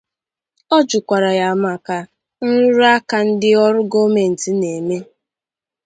Ọ jụkwara ya maka nrụrụ aka ndị ọrụ gọọmentị na-eme